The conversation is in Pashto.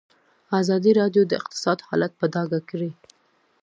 ازادي راډیو د اقتصاد حالت په ډاګه کړی.